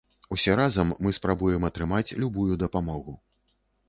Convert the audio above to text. Усе разам мы спрабуем атрымаць любую дапамогу.